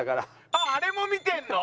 あっあれも見てるの？